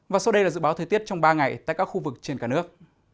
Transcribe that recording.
và sau đây là dự báo thời tiết trong ba ngày tại các khu vực trên cả nước